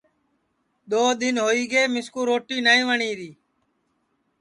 دؔو دؔن ہوئی گے مِسکُو روٹی نائی وٹؔیری